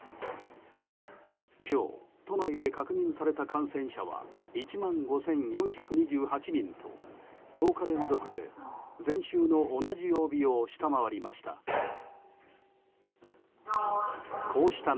今日、都内で確認された感染者は１万５４２８人と１０日連続で前週の同じ曜日を下回りました。